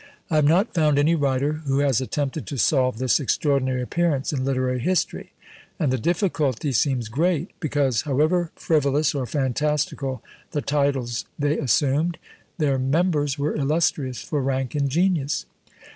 I have not found any writer who has attempted to solve this extraordinary appearance in literary history; and the difficulty seems great, because, however frivolous or fantastical the titles they assumed, their members were illustrious for rank and genius.